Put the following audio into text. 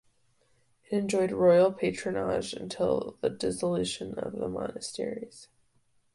It enjoyed Royal Patronage until the dissolution of the monasteries.